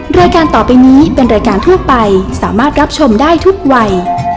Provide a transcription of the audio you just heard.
รายการต่อไปนี้เป็นรายการทั่วไปสามารถรับชมได้ทุกวัย